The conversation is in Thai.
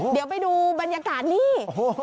เดี๋ยวไปดูบรรยากาศนี่